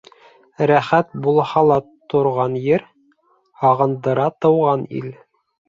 Рәхәт булһа ла торған ер, һағындыра тыуған ил.